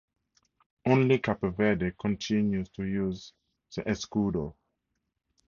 Only Cape Verde continues to use the escudo.